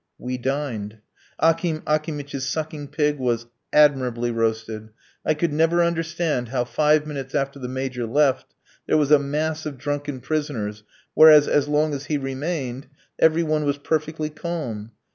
We dined. Akim Akimitch's sucking pig was admirably roasted. I could never understand how, five minutes after the Major left, there was a mass of drunken prisoners, whereas as long as he remained every one was perfectly calm.